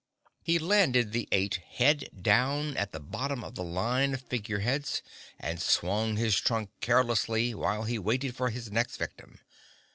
He landed the Eight head down at the bottom of the line of Figure Heads and swung his trunk carelessly while he waited for his next victim.